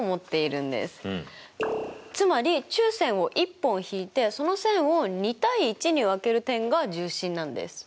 つまり中線を１本引いてその線を２：１に分ける点が重心なんです。